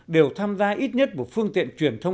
đều tham gia ít nhất một phương tiện truyền thông